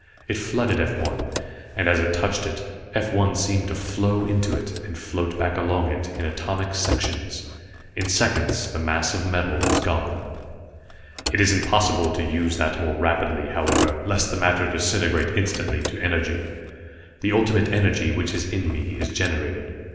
It flooded F 1, and as it touched it, F 1 seemed to flow into it, and float back along it, in atomic sections. In seconds the mass of metal was gone. "It is impossible to use that more rapidly, however, lest the matter disintegrate instantly to energy. The Ultimate Energy which is in me is generated.